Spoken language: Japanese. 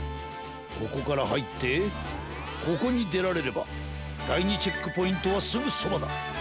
ここからはいってここにでられればだい２チェックポイントはすぐそばだ。